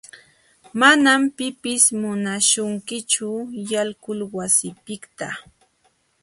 Manam pipis munaśhunkichu yalquy wasipiqta.